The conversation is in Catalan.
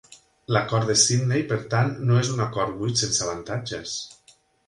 L'Acord de Sydney per tant no és un acord buit sense avantatges.